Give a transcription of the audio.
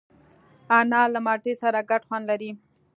انار له مالټې سره ګډ خوند لري.